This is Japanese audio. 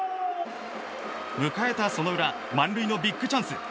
迎えたその裏満塁のビッグチャンス。